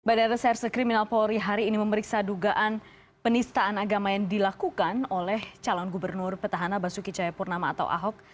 badan reserse kriminal polri hari ini memeriksa dugaan penistaan agama yang dilakukan oleh calon gubernur petahana basuki cahayapurnama atau ahok